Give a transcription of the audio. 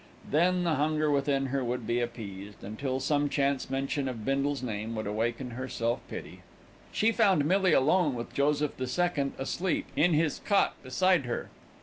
Then the hunger within her would be appeased, until some chance mention of Bindle's name would awaken her self pity. She found Millie alone with Joseph the Second asleep in his cot beside her.